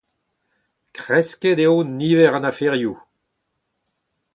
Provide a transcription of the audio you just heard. Kresket eo niver an aferioù.